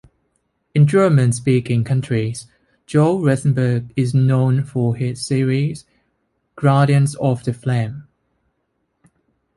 In German-speaking countries, Joel Rosenberg is known for his series "Guardians of the Flame".